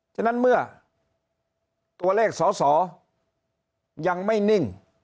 ฉะนั้นเมื่อตัวเลขสอสอยังไม่นิ่ง